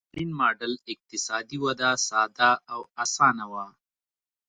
د ستالین ماډل اقتصادي وده ساده او اسانه وه